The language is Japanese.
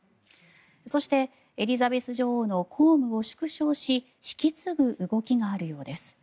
そしてエリザベス女王の公務を縮小し引き継ぐ動きがあるようです。